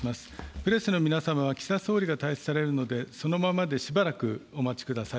プレスの皆様は岸田総理が退出されるので、そのままでしばらくお待ちください。